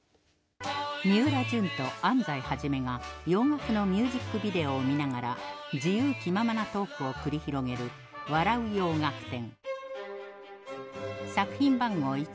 みうらじゅんと安齋肇が洋楽のミュージックビデオを見ながら自由気ままなトークを繰り広げる「笑う洋楽展」